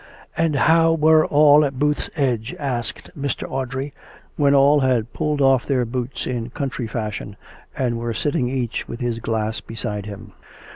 " And how were all at Booth's Edge ?" asked Mr. Au drey, when all had pulled oflf their boots in country fashion, and were sitting each with his glass beside him.